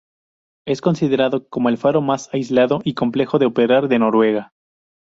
Es considerado como el faro más aislado y complejo de operar de Noruega.